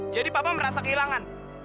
jadi papa merasa kehilangan